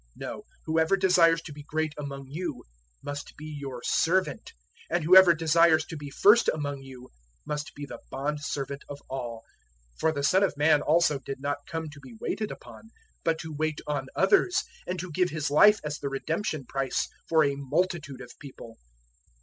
No, whoever desires to be great among you must be your servant; 010:044 and whoever desires to be first among you must be the bondservant of all. 010:045 For the Son of Man also did not come to be waited upon, but to wait on others, and to give His life as the redemption price for a multitude of people."